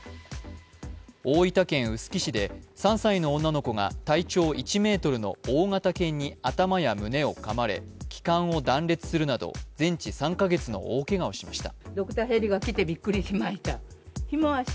大分県臼杵市で３歳の女の子が体長１ｍの大型犬に頭や胸をかまれ器官を断裂するなど全治３か月の大けがをしました。